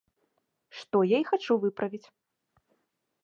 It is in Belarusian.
Што я і хачу выправіць.